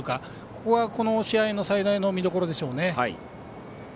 それがこの試合の最大の見どころでしょうね。